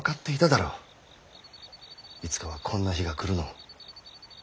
いつかはこんな日が来るのを。